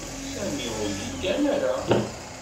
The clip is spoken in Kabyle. Sami ur yeggan ara.